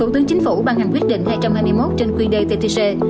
thủ tướng chính phủ ban hành quyết định hai trăm hai mươi một trên quy đề ttc